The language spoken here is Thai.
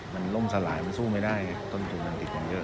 มันล่มสลายมันสู้ไม่ได้ไงต้นทุนมันติดกันเยอะ